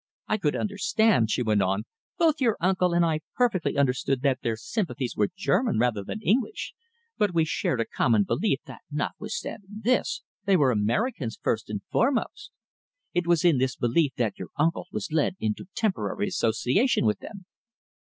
I could understand," she went on, "both your uncle and I perfectly understood that their sympathies were German rather than English, but we shared a common belief that notwithstanding this they were Americans first and foremost. It was in this belief that your uncle was led into temporary association with them."